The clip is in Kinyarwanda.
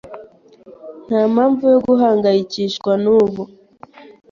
Ntampamvu yo guhangayikishwa nubu.